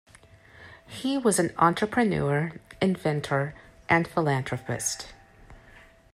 He was an entrepreneur, inventor, and philanthropist.